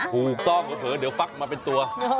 ถูกต้องเผลอเดี๋ยวฟักมาเป็นตัว